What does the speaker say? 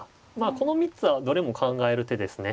この３つはどれも考える手ですね。